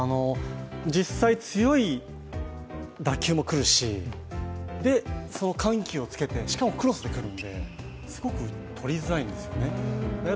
実際、強い打球もくるし緩急をつけてしかもクロスでくるんで、すごく取りづらいんですよね。